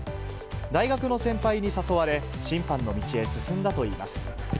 大学の先輩に誘われ、審判の道へ進んだといいます。